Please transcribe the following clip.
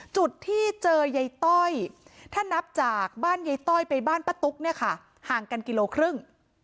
จุดที่เจอยายต้อยถ้านับจากบ้านยายต้อยไปบ้านป้าตุ๊กเนี่ยค่ะห่างกันกิโลครึ่ง